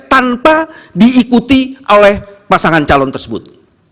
tanpa diikuti oleh pasangan calon tersebut